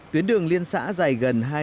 tuyến đường liên xã dài gần